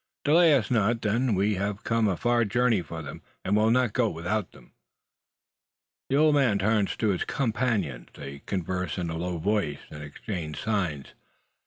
Delay us not, then! We have come a far journey for them, and will not go without them." The old man turns to his companions. They converse in a low voice, and exchange signs.